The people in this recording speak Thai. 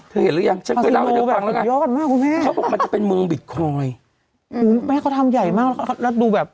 เธอเห็นหรือยังมันจะเป็นเมืองบิตคอยอุ้ยแม่เขาทำใหญ่มากแล้วดูแบบ